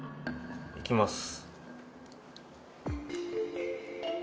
いきます。